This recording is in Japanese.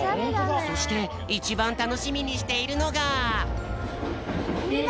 そしていちばんたのしみにしているのが。